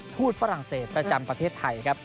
ทูตฝรั่งเศสประจำประเทศไทยครับ